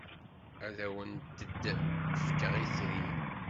Ad awent-d-fkeɣ itri.